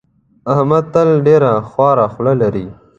احمد تل ډېره خوره خوله لري.